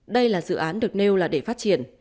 đây là dự án được nêu là để phát triển